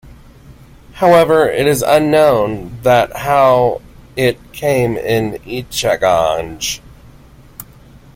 However, it is unknown that how it came in Ichaganj.